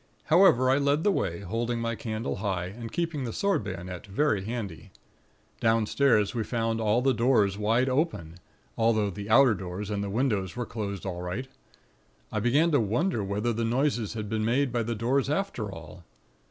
However, I led the way, holding my candle high, and keeping the sword bayonet very handy. Downstairs we found all the doors wide open; although the outer doors and the windows were closed all right. I began to wonder whether the noises had been made by the doors after all.